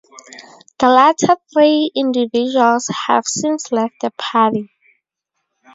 The latter three individuals have since left the party.